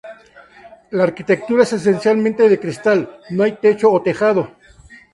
La arquitectura es esencialmente de cristal, no hay techo o tejado.